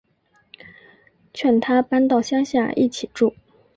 劝他搬到乡下一起住